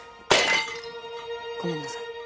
ごめんなさい。